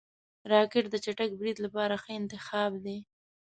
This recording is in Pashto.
راکټ د چټک برید لپاره ښه انتخاب دی